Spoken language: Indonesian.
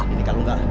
ini kalau gak